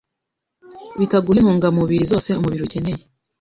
bitaguha intungamubiri zose umubiri ukeneye,